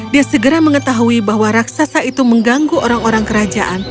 dia segera mengetahui bahwa raksasa itu mengganggu orang orang kerajaan